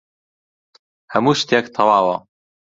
هەموو شتێک تەواوە.